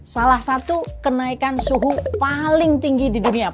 salah satu kenaikan suhu paling tinggi di dunia